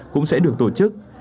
cũng sẽ được tổ chức